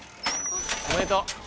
おめでとう。